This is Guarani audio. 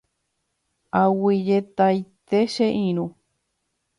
Aguyjetaite che irũ.